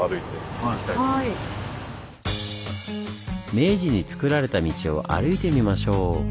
明治に造られた道を歩いてみましょう。